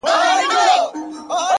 جلوه مخې په اوو فکرو کي ډوب کړم!